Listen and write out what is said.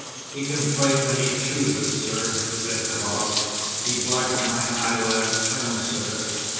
"He can fight when he chooses, sir," said Coggs; "he blacked my eye last term, sir!"